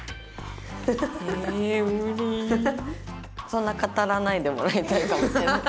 そんな語らないでもらいたいかもしれない。